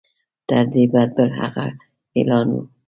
تر دې بد بل هغه اعلان وو.